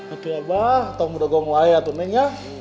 oke ya abah tau gak ngeliat neng ya